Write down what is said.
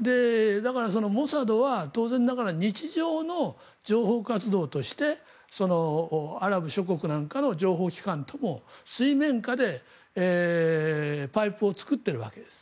だから、モサドは当然ながら日常の情報活動としてアラブ諸国なんかの情報機関と水面下でパイプを作っているわけです。